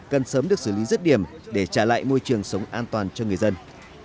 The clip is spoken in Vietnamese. cần sớm được xử lý rứt điểm để trả lại môi trường sống an toàn cho người dân